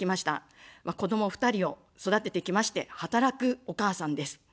子ども２人を育ててきまして、働くお母さんです。